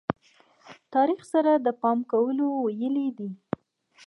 تاریخ سره د پام کولو ویلې دي.